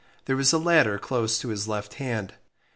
There was a ladder close to his left hand.